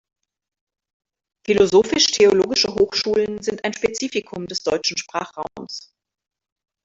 Philosophisch-theologische Hochschulen sind ein Spezifikum des deutschen Sprachraums.